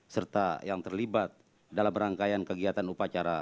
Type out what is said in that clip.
serta yang terlibat dalam rangkaian kegiatan upacara